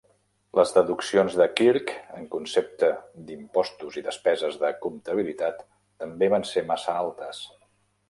Les deduccions de Kirk en concepte d'impostos i despeses de comptabilitat també van ser massa altes.